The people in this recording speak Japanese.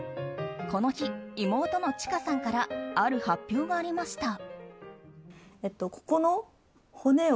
この日、妹のちかさんからある発表がありました。